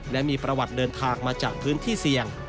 และมีประวัติเดินทางมาจากพื้นที่เสี่ยง